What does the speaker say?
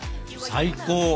最高？